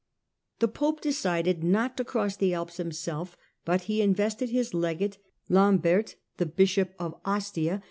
The pope decided not to cross the Alps himself, but he invested his legate, Lambert, the bishop of Ostia, \